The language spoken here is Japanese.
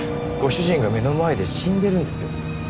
ご主人が目の前で死んでるんですよ？